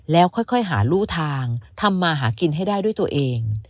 แล้วค่อยหารู่ทางทำมาหากินให้ได้ด้วยตัวเอง